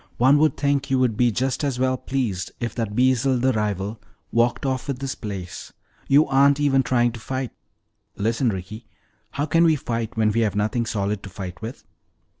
One would think you would be just as well pleased if that Beezel the rival walked off with this place. You aren't even trying to fight!" "Listen, Ricky, how can we fight when we have nothing solid to fight with?